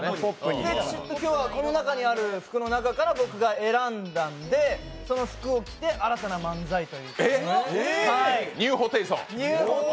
今日はこの中にある服の中から僕が選んだんで、その服を着て新たな漫才を。